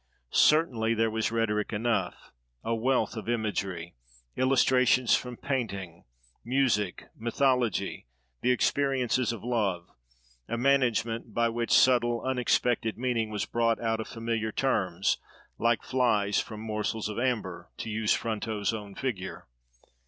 Certainly there was rhetoric enough:—a wealth of imagery; illustrations from painting, music, mythology, the experiences of love; a management, by which subtle, unexpected meaning was brought out of familiar terms, like flies from morsels of amber, to use Fronto's own figure.